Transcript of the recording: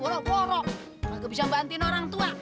borok borok gak bisa bantuin orang tua